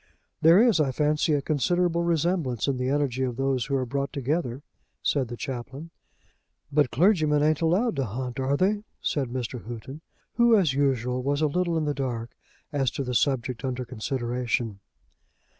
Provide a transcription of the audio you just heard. "There is, I fancy, a considerable resemblance in the energy of those who are brought together," said the Chaplain. "But clergymen ain't allowed to hunt, are they?" said Mr. Houghton, who, as usual, was a little in the dark as to the subject under consideration.